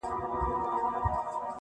خوني ژرنده مو د ژوند ګرځي ملګرو,